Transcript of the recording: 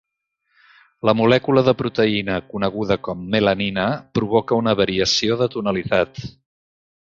La molècula de proteïna coneguda com melanina provoca una variació de tonalitat.